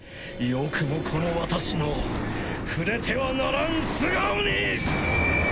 よくもこの私の触れてはならん素顔に！